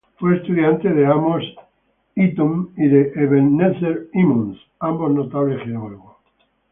Fue estudiante de Amos Eaton y de Ebenezer Emmons, ambos notables geólogos.